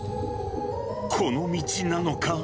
この道なのか？